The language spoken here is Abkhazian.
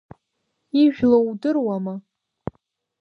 Ижәлоу удыруама?